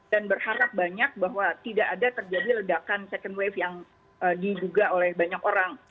dan berharap banyak bahwa tidak ada terjadi ledakan second wave yang dibuka oleh banyak orang